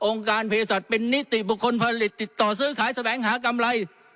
การเพศสัตว์เป็นนิติบุคคลผลิตติดต่อซื้อขายแสวงหากำไร